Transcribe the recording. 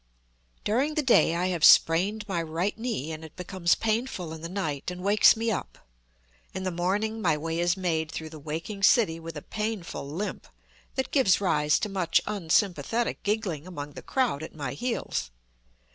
During the day I have sprained my right knee, and it becomes painful in the night and wakes me up. In the morning my way is made through the waking city with a painful limp, that gives rise to much unsympathetic giggling among the crowd at my heels.